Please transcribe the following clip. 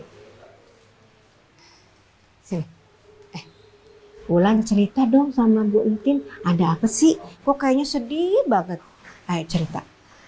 hai si eh bulan cerita dong sama gue mungkin ada apa sih kok kayaknya sedih banget cerita